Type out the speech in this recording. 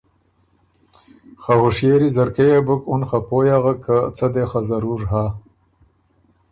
خه هوشئېری ځرکۀ يې بُک اُن خه پوی اغک که څۀ دې خه ضرور هۀ